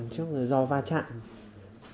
trước rồi do va chạm